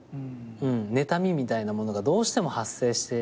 ねたみみたいなものがどうしても発生してしまうというか。